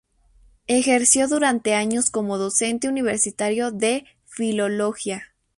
Ejerció durante años como docente universitario de filología.